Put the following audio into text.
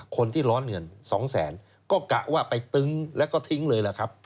คนที่ร้อนเงิน๒แสนก็กะว่าไปตึ้งแล้วก็ทิ้งเลยล่ะครับ